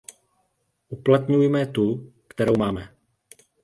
Uplatňujme tu, kterou máme.